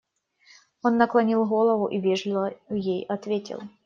Он наклонил голову и вежливо ей ответил.